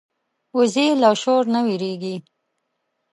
وزې له شور نه وېرېږي